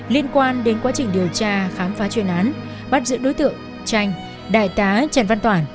liên quan đến quá trình điều tra khám phá chuyên án bắt giữ đối tượng tranh đại tá trần văn toản